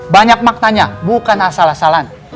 banyak maknanya bukan asal asalan